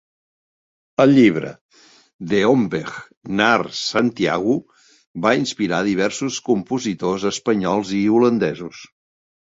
El llibre "De omweg naar Santiago" va inspirar diversos compositors espanyols i holandesos.